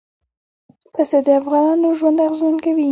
پسه د افغانانو ژوند اغېزمن کوي.